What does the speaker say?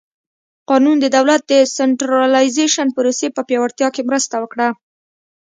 قانون د دولت د سنټرالیزېشن پروسې په پیاوړتیا کې مرسته وکړه.